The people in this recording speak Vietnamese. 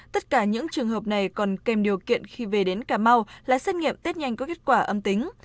tất cả những trường hợp này còn kèm điều kiện khi về đến cà mau là xét nghiệm tết nhanh có kết quả âm tính